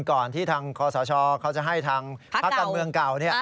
ก่อนที่ทางคอสชเขาจะให้ทางภาคการเมืองเก่า